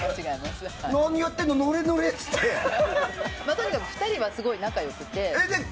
とにかく２人は仲良くて。